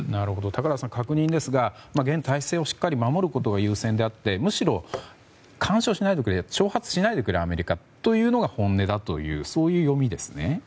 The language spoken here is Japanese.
高原さん確認ですが現体制をしっかり守ることが一番でむしろ、干渉しないでくれ挑発しないでくれアメリカというのが本音だという読みですね。